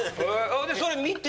ほんでそれ見て。